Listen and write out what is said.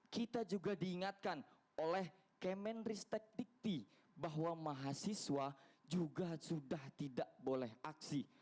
kita juga diingatkan oleh kemenristek dikti bahwa mahasiswa juga sudah tidak boleh aksi